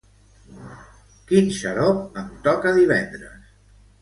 Quin xarop em toca divendres?